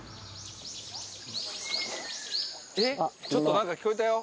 えっちょっと何か聞こえたよ。